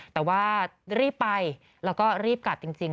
แต่ว่ารีบไปแล้วก็รีบกลับจริง